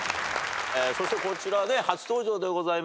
そしてこちらね初登場でございます。